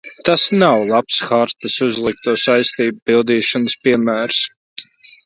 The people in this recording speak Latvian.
Tas nav labs hartas uzlikto saistību pildīšanas piemērs.